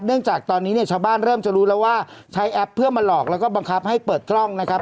จากตอนนี้เนี่ยชาวบ้านเริ่มจะรู้แล้วว่าใช้แอปเพื่อมาหลอกแล้วก็บังคับให้เปิดกล้องนะครับ